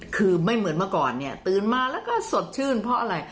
คือไม่เหมือนเมื่อก่อนเนี่ยตื่นมาแล้วก็สดชื่นเพราะอะไร